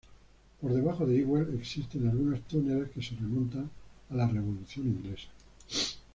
Por debajo de Ewell existen algunos túneles que se remontan a la Revolución inglesa.